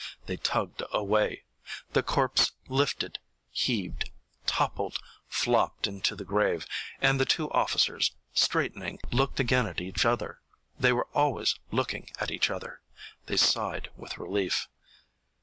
They tugged away; the corpse lifted, heaved, toppled, flopped into the grave, and the two officers, straightening, looked again at each other they were always looking at each other. They sighed with relief.